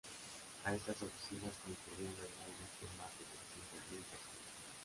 A estas oficinas concurrían anualmente más de trescientas mil personas.